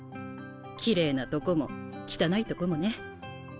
きれいなとこも汚いとこもね。